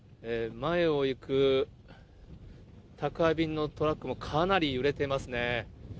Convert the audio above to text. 前を行く宅配便のトラックも、かなり揺れてますね。